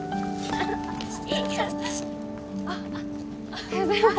おはようございます。